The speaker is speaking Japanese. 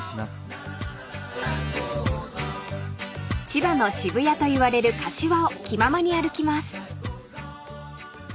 ［千葉の渋谷と言われる柏を気ままに歩きます］